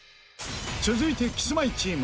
続いてキスマイチーム。